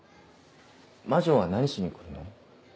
魔女は何しに来るの？